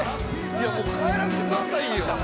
いやもう帰らせてくださいよ